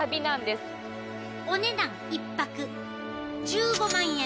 お値段１泊１５万円。